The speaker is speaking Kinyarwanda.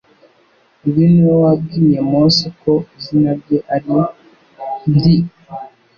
Uyu ni We wabwiye Mose ko izina rye ari NDI